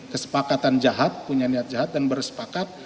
kesepakatan jahat punya niat jahat dan bersepakat